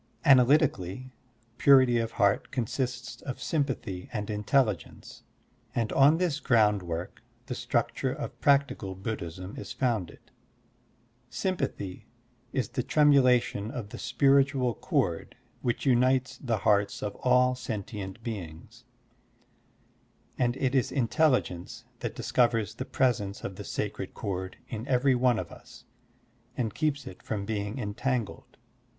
Analytically, purity of heart consists of sym pathy and intelligence, and on this groundwork the structure of practical Buddhism is fotmded. Sympathy is the tremulation of the spiritual cord which unites the hearts of all sentient beings; and it is intelligence that discovers the presence of the sacred cord in every one of us and keeps it from being entangled.